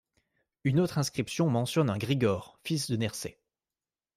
Une autre inscription mentionne un Grigor, fils de Nersēh.